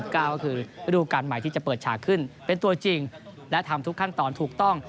ก็คือฤดูการใหม่ที่จะเปิดฉากขึ้นเป็นตัวจริงและทำทุกขั้นตอนถูกต้อง